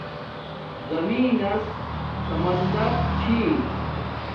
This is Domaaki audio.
زمین نس سمندر چھی